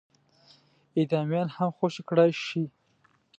اعدامیان هم خوشي کړای شي.